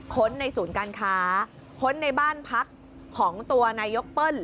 ค้นในศูนย์การค้าค้นในบ้านพักของตัวนายกเปิ้ล